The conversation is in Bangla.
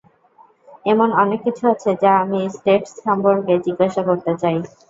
এমন অনেক কিছু আছে যা আমি স্টেটস সম্পর্কে জিজ্ঞাসা করতে চাই।